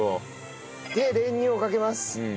で練乳をかけます。